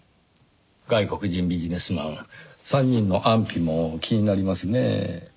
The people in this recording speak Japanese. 外国人ビジネスマン３人の安否も気になりますねぇ。